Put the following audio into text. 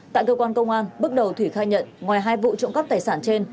tại cơ quan công an bước đầu thủy khai nhận ngoài hai vụ trộm cắp tài sản trên